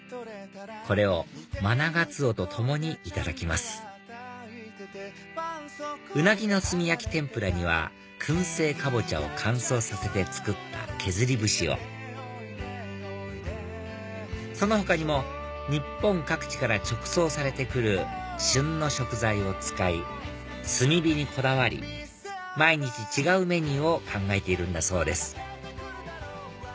これをマナガツオとともにいただきますウナギの炭焼き天ぷらには薫製カボチャを乾燥させて作った削り節をその他にも日本各地から直送されて来る旬の食材を使い炭火にこだわり毎日違うメニューを考えているんだそうです